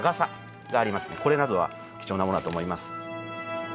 これなどは貴重なものだと思います。